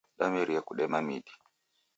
Damerie kudema midi.